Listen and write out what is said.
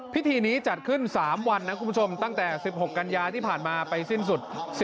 พิธีนี้จัดขึ้น๓วันนะคุณผู้ชมตั้งแต่๑๖กันยาที่ผ่านมาไปสิ้นสุด